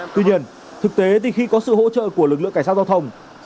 tuy nhiên thực tế thì khi có sự hỗ trợ của lực lượng cảnh sát giao thông